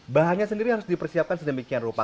bahannya sendiri harus dipersiapkan sedemikian rupa